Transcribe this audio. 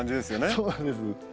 そうなんです。